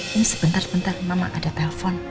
ini sebentar sebentar mama ada telpon